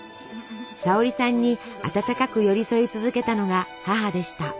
沙保里さんに温かく寄り添い続けたのが母でした。